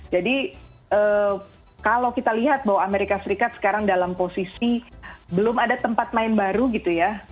jadi kalau kita lihat bahwa amerika serikat sekarang dalam posisi belum ada tempat main baru gitu ya